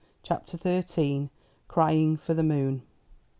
CHAPTER XIII. Crying for the moon.